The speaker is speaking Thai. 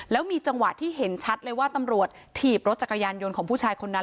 แล้วมีจังหวะที่เห็นชัดเลยว่าตำรวจถีบรถจักรยานยนต์ของผู้ชายคนนั้น